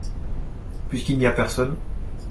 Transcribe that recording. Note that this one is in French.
Puisqu’il n’y a personne.